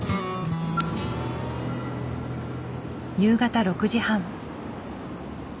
夕方６時半。